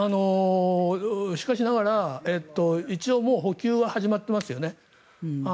しかしながら、一応もう補給は始まってますよね。